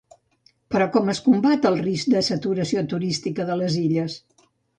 Però com es combat el risc de saturació turística de les Illes?